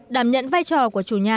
đảm nhận vai trò của chủ nhà